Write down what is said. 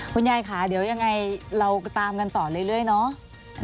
คุณยายค่ะเดี๋ยวยังไงเราตามกันต่อเรื่อยเนาะ